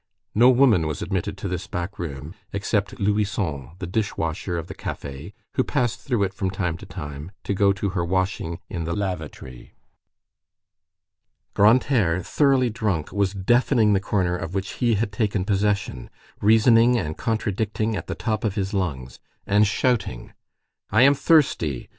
No woman was admitted to this back room, except Louison, the dish washer of the café, who passed through it from time to time, to go to her washing in the "lavatory." Grantaire, thoroughly drunk, was deafening the corner of which he had taken possession, reasoning and contradicting at the top of his lungs, and shouting:— "I am thirsty.